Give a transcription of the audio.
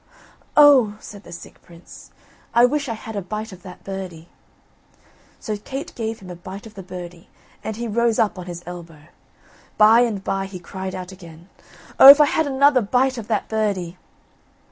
"Oh!" said the sick prince, "I wish I had a bite of that birdie," so Kate gave him a bite of the birdie, and he rose up on his elbow. By and by he cried out again: "Oh, if I had another bite of that birdie!"